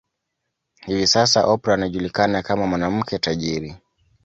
Hivi Sasa Oprah anajulikana kama mwanamke tajiri